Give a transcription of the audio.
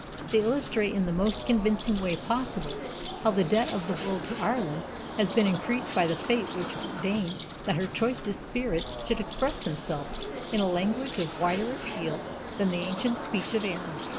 They illustrate, in the most convincing way possible, how the debt of the world to Ireland has been increased by the fate which ordained that her choicest spirits should express themselves in a language of wider appeal than the ancient speech of Erin.